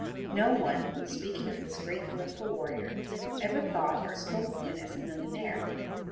No one, when speaking of this great political warrior ever thought or spoke of him as a millionaire.